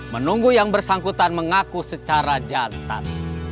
menunggu yang bersangkutan mengaku secara jantan